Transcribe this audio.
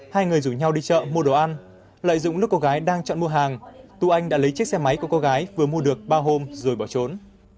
hai người rủ nhau đi chợ mua đồ ăn lợi dụng lúc cô gái đang chọn mua hàng tú anh đã lấy chiếc xe máy của cô gái vừa mua được ba hôm rồi bỏ trốn